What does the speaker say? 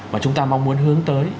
mà chúng ta mong muốn hướng tới